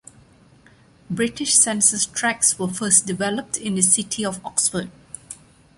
British census tracts were first developed in the city of Oxford.